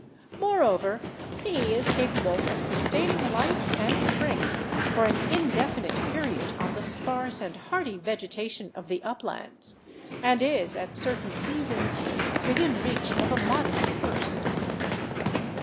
Moreover, he is capable of sustaining life and strength for an indefinite period on the sparse and hardy vege tation of the uplands, and is, at certain seasons, within reach of a modest purse.